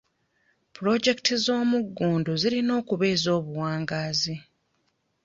Pulojekiti ez'omugundu zirina okuba ez'obuwangaazi.